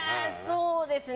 そうですね。